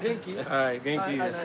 はい元気です。